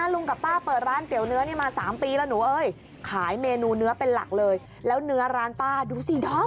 แล้วเป็นหลักเลยแล้วเนื้อร้านป้าดูสิน้อง